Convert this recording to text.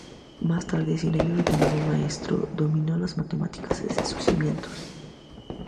Más tarde, sin ayuda de ningún maestro, dominó las matemáticas desde sus cimientos.